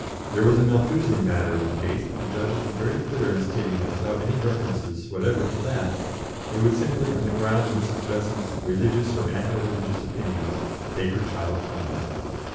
There was a Malthusian matter in the case, but the judges were very clear in stating that without any reference whatever to that, they would simply, on the ground of Mrs. Besant's 'religious, or anti religious, opinions,' take her child from her."